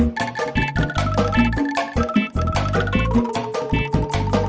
mak baru masuk